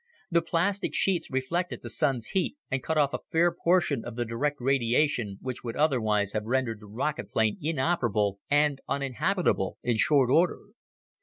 The plastic sheets reflected the Sun's heat and cut off a fair portion of the direct radiation which would otherwise have rendered the rocket plane inoperable and uninhabitable in short order.